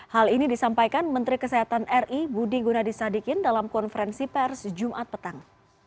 hal ini disampaikan menteri kesehatan ri budi gunadisadikin dalam konferensi pers jumat petang